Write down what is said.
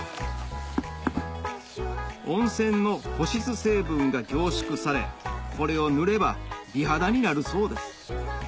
温泉の保湿成分が凝縮されこれを塗れば美肌になるそうです